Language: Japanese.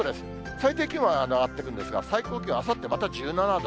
最低気温は上がってくるんですが、最高気温、あさってまた１７度。